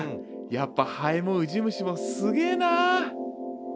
やっぱハエもウジ虫もすげえな。